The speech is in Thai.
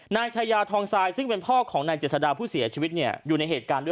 นายชายาทองทรายซึ่งเป็นพ่อของนายเจษดาผู้เสียชีวิตเนี่ยอยู่ในเหตุการณ์ด้วย